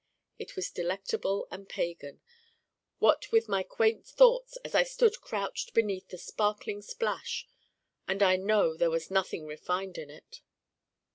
It was delectable and pagan, what with my quaint thoughts as I stood crouched beneath the sparkling splash. And I know there was nothing Refined in it.